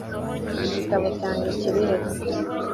igitabo cyanjye kiri he